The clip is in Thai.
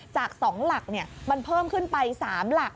จาก๒หลักมันเพิ่มขึ้นไป๓หลัก